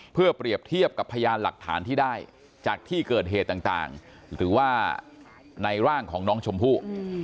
เพื่อเปรียบเทียบกับพยานหลักฐานที่ได้จากที่เกิดเหตุต่างหรือว่าในร่างของน้องชมพู่